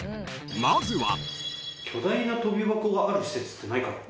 ［まずは］